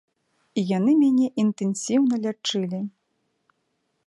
І яны мяне інтэнсіўна лячылі.